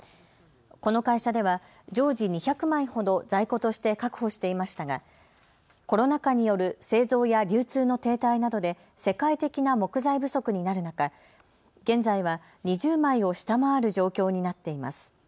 この会社では常時２００枚ほど在庫として確保していましたがコロナ禍による製造や流通の停滞などで世界的な木材不足になる中、現在は２０枚を下回る状況になっています。